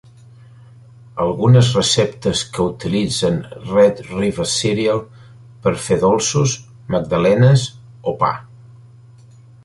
Algunes receptes que utilitzen "red river cereal" per fer dolços, magdalenes o pa.